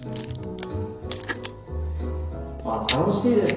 あっ楽しいです。